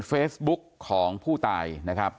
เฟซบุ๊กของผู้ตายนะครับ